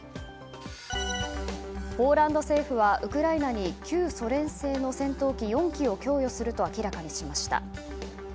ポーランド政府はウクライナに旧ソ連製の戦闘機４機を供与すると明らかにしました。